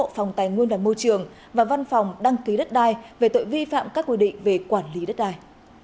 bộ phòng tài nguyên và môi trường và văn phòng đăng ký đất đai về tội vi phạm các quy định về quản lý đất đai